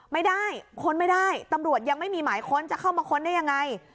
ค้นไม่ได้ตำรวจยังไม่มีหมายค้นจะเข้ามาค้นได้ยังไง